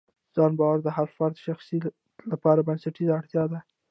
د ځان باور د هر فرد شخصیت لپاره بنسټیزه اړتیا ده.